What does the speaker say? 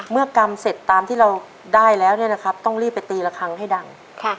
เมื่อกำเสร็จตามที่เราได้แล้วเนี่ยนะครับต้องรีบไปตีระคั้งให้ดัง